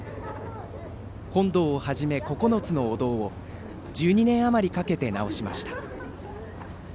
本堂をはじめ、９つのお堂を１２年あまりかけて直しました。